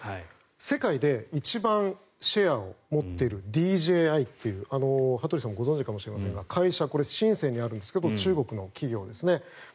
世界で一番シェアを持っているＤＪＩという、羽鳥さんもご存じかもしれませんが会社、シンセンにあるんですが中国の企業ですね。